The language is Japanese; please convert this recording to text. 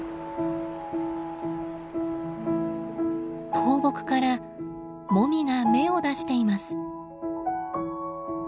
倒木からモミが芽を出しています。